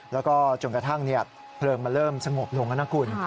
แล้วก็จนกระทั่งเพลิงมันเริ่มสงบลงแล้วนะคุณ